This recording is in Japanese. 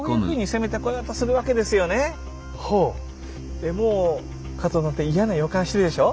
でもう加藤探偵嫌な予感してるでしょ？